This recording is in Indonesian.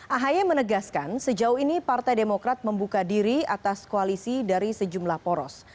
ahy menegaskan sejauh ini partai demokrat membuka diri atas koalisi dari sejumlah poros